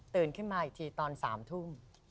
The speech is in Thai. ขึ้นมาอีกทีตอน๓ทุ่ม